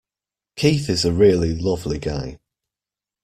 Keith is a really lovely guy.